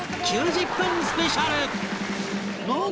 ９０分スペシャル！